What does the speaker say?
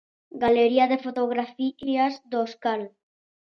Galería de fotografías dos Cal.